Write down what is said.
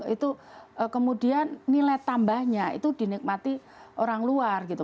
itu kemudian nilai tambahnya itu dinikmati orang luar gitu